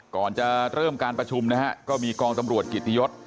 ก่อนจะเริ่มการประชุมนะฮะก็มีกองตำรวจกิตยศ